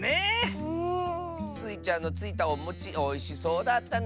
スイちゃんのついたおもちおいしそうだったね！